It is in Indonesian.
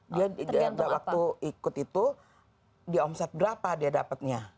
dia waktu ikut itu di omset berapa dia dapatnya